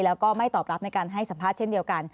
แล้วก็ไม่ตอบรับในการให้สัมภาษณ์เช่นเดียวกัน